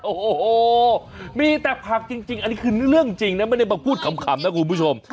โอ้โหมีแต่ผักจริงอันนี้คือเรื่องจริงนะไม่ได้มาพูดขำนะคุณผู้ชม